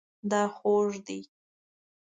دا خوږ دی